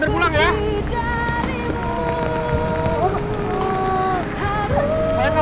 dikulangi dari apa